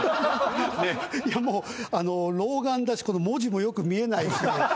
いやもう老眼だしこの文字もよく見えないし。